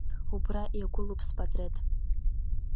Убра иагәылоуп спатреҭ.